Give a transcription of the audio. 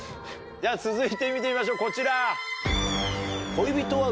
じゃ続いて見てみましょうこちら。